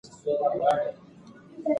موټر چلونکی د خپل راتلونکي په اړه فکر کوي.